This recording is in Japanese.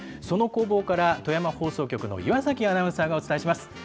その工房から富山放送局の岩崎アナウンサーがお伝えします。